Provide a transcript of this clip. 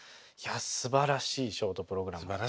いやすばらしいショートプログラム。